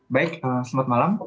baik selamat malam